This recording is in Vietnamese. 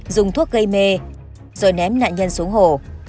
dùng thuốc gây mê rồi ném nạn nhân xuống hồ